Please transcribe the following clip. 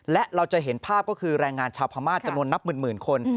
และเราจะเห็นภาพก็คือแรงงานชาวพม่าจำนวนนับหมื่นคน